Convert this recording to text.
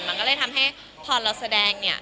มันก็เลยทำให้พอเราแสดงเนี่ย